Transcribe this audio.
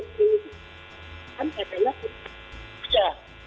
kan saya pernah punya